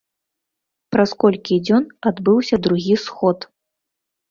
Праз колькі дзён адбыўся другі сход.